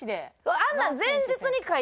あんなの。